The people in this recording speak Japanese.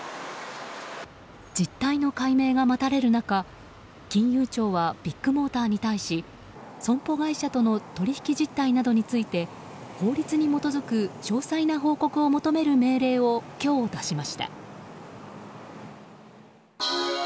実態の解明が待たれる中金融庁はビッグモーターに対し損保会社との取引実態などについて法律に基づく詳細な報告を求める命令を今日出しました。